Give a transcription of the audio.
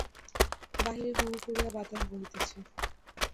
বাহিরে হু হু করিয়া বাতাস বহিতেছে।